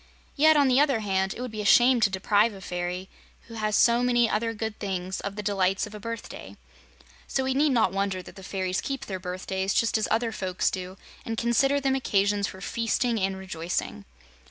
Yet, on the other hand, it would be a shame to deprive a fairy, who has so many other good things, of the delights of a birthday. So we need not wonder that the fairies keep their birthdays just as other folks do, and consider them occasions for feasting and rejoicing.